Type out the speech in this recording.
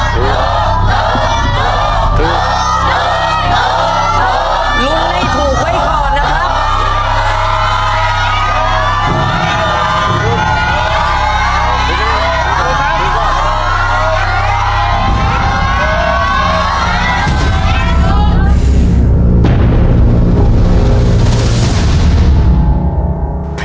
ลุงให้ถูกไว้ก่อนนะครับ